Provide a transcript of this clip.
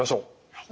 はい。